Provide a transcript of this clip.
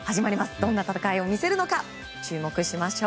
どんな戦いを見せるのか注目しましょう。